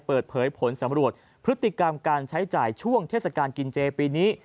เปิดเผยผลสำรวจพฤติกรรมการใช้จ่ายช่วงเทศกาลกินเจปีนี้